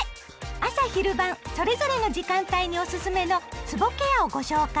朝・昼・晩それぞれの時間帯におすすめのつぼケアをご紹介。